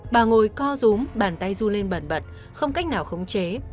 bà ngồi co rúm bàn tay ru lên bẩn bật không cách nào khống chế